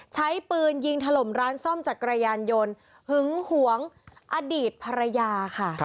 ใช้ปืนยิงถล่มร้านซ่อมจักรยานยนต์หึงหวงอดีตภรรยาค่ะ